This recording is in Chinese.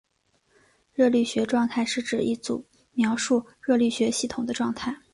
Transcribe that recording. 热力学状态是指一组描述热力学系统的状态。